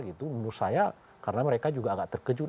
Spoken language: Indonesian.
menurut saya karena mereka juga agak terkejut